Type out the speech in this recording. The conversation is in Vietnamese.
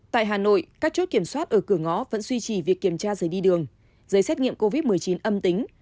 tại hà nội các chốt kiểm soát ở cửa ngõ vẫn duy trì việc kiểm tra giấy đi đường giấy xét nghiệm covid một mươi chín âm tính